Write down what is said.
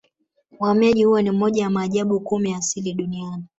Uhamiaji huo ni moja ya maajabu kumi ya asili Duniani